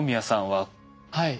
はい。